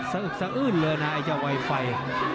อึกสะอื้นเลยนะไอ้เจ้าไวไฟ